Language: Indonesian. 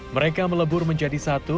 mereka melebur menjadi satu